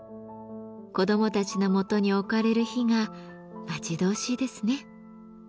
子どもたちのもとに置かれる日が待ち遠しいですね。